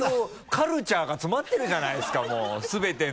カルチャーが詰まってるじゃないですかもう全ての。